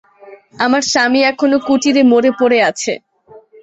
আমার স্বামী এখনো কুটিরে মরে পড়ে আছে।